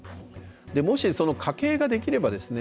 もしその家系ができればですね